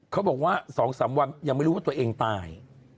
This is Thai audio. บอกว่า๒๓วันยังไม่รู้ว่าตัวเองตาย